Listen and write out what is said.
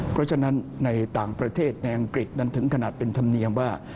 เพราะฉะนั้นในต่างประเทศในอังกฤษนั้นถึงขนาดเป็นธรรมเนียมว่า